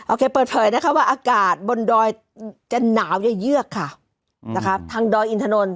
แกเปิดเผยนะคะว่าอากาศบนดอยจะหนาวอย่าเยือกค่ะนะคะทางดอยอินทนนท